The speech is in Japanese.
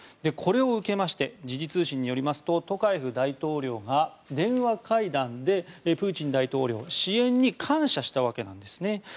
これを受けまして時事通信によりますとトカエフ大統領が、電話会談でプーチン大統領支援に感謝したわけです。